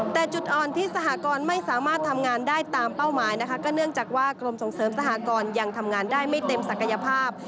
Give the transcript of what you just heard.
แต่จุดอ่อนที่สหกรไม่สามารถทำงานได้ตามเป้าหมายนะคะก็เนื่องจากว่ากรมส่งเสริมสหกรยังทำงานได้ไม่เต็มศักยภาพ